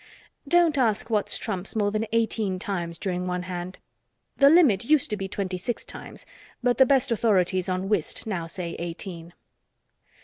Don't ask what's trumps more than eighteen times during one hand. The limit used to be twenty six times, but the best authorities on whist now say eighteen.